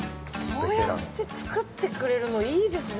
こうやって作ってくれるのいいですね。